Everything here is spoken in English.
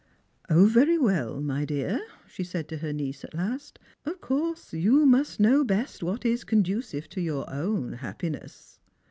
" O, very well, my dear," she said to her niece at last. " Of course, you must know best what is conducive to your own happiness."